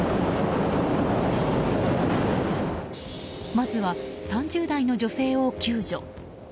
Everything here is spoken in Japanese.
まずは３０代の女性を救助。